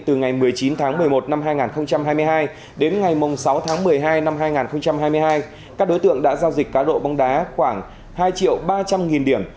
từ ngày một mươi chín tháng một mươi một năm hai nghìn hai mươi hai đến ngày sáu tháng một mươi hai năm hai nghìn hai mươi hai các đối tượng đã giao dịch cá độ bóng đá khoảng hai triệu ba trăm linh nghìn điểm